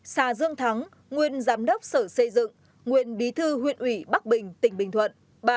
hai xà dương thắng nguyên giám đốc sở xây dựng nguyên bí thư huyện ủy bắc bình tỉnh bình thuận